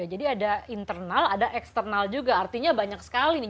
jadi ada internal ada eksternal juga artinya banyak sekali nih